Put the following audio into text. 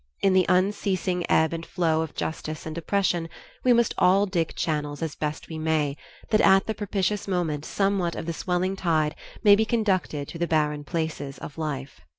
In the unceasing ebb and flow of justice and oppression we must all dig channels as best we may, that at the propitious moment somewhat of the swelling tide may be conducted to the barren places of life.